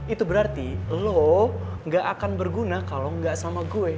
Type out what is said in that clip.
itu berarti lo gak akan berguna kalau nggak sama gue